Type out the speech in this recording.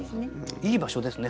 いい場所ですね。